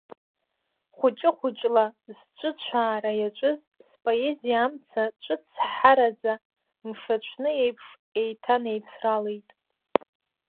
Хәыҷы-хәыҷла зҿыцәаара иаҿыз споезиа амца, ҿыцҳҳараӡа, мшаҽны еиԥш еиҭанеицралеит.